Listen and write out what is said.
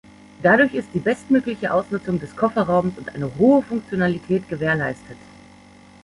Dadurch ist die bestmögliche Ausnutzung des Kofferraums und eine hohe Funktionalität gewährleistet.